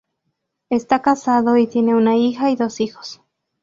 Está casado y tiene una hija y dos hijos.